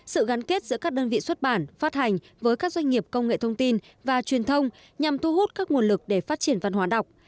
sự gắn kết giữa các đơn vị xuất bản phát hành với các doanh nghiệp công nghệ thông tin và truyền thông nhằm thu hút các nguồn lực để phát triển văn hóa đọc